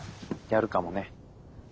やるかもね。